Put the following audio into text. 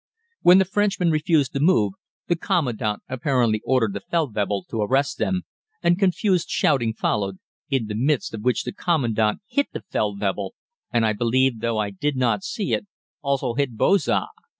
When the Frenchmen refused to move, the Commandant apparently ordered the Feldwebel to arrest them, and confused shouting followed, in the midst of which the Commandant hit the Feldwebel and, I believe, though I did not see it, also hit Bojah.